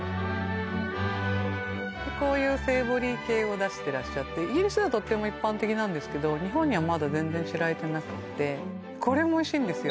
こういうセイボリー系を出してらっしゃってイギリスではとっても一般的なんですけど日本にはまだ全然知られてなくってこれもおいしいんですよ